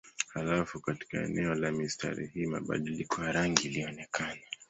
Halafu katika eneo la mistari hii mabadiliko ya rangi ilionekana.